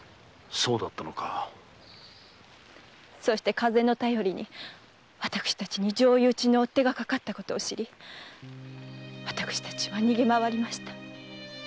風の便りに私たちに上意討ちの追手がかかったことを知り私たちは逃げまわりました。